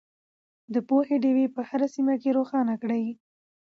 د پوهې ډیوې په هره سیمه کې روښانه کړئ.